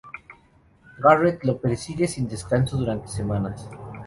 Garrett lo persigue sin descanso durante semanas.